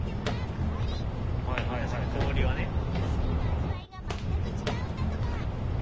氷一つでウイスキーの味わいが全く違うんだとか